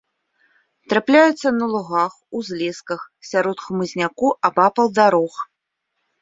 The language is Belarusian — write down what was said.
Трапляюцца на лугах, узлесках, сярод хмызняку, абапал дарог.